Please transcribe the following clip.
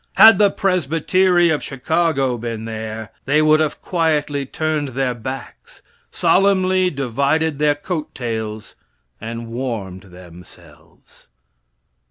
Had the Presbytery of Chicago been there, they would have quietly turned their backs, solemnly divided their coat tails and warmed themselves.